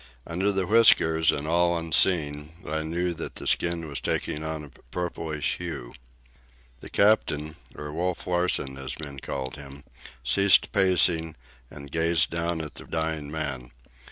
Under the whiskers, and all unseen, I knew that the skin was taking on a purplish hue. The captain, or Wolf Larsen, as men called him, ceased pacing and gazed down at the dying man.